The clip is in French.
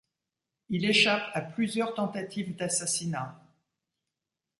Il échappe à plusieurs tentatives d'assassinat.